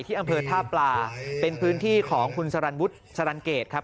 อำเภอท่าปลาเป็นพื้นที่ของคุณสรรวุฒิสรรเกตครับ